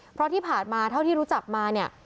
เพราะที่ผ่านมาเท่าที่รู้จักมาเนี่ย